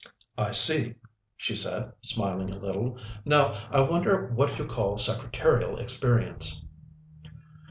"I see," she said, smiling a little. "Now, I wonder what you call secretarial experience?"